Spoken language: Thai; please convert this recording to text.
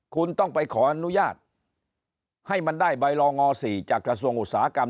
คุณต้องไปขออนุญาตให้มันได้ใบรองง๔จากกระทรวงอุตสาหกรรม